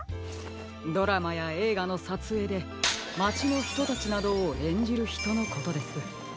ドラマやえいがのさつえいでまちのひとたちなどをえんじるひとのことです。